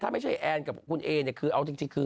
ถ้าไม่ใช่แอนกับคุณเอเนี่ยคือเอาจริงคือ